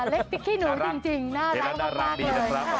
เล็กพริกขี้หนูจริงน่ารักมากเลย